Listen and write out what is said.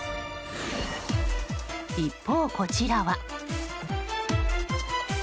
一方、こちらは。